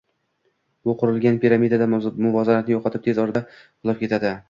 bu qurilgan piramida muvozanatini yo’qotib tez orada qulab ketadi